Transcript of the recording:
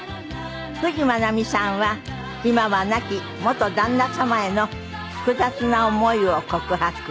冨士眞奈美さんは今は亡き元旦那様への複雑な思いを告白。